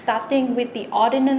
và những việc họ phải làm